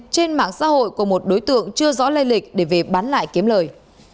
trên mạng xã hội của một đối tượng chưa rõ lây lịch để về bán lại kiếm lời